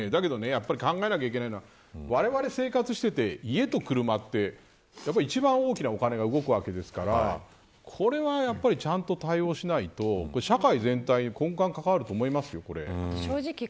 だけど、やっぱり考えないといけないのはわれわれが生活していて家と車ってやはり一番大きなお金が動くわけですからこれは、ちゃんと対応しないと社会全体の根幹に関わると思いますよ。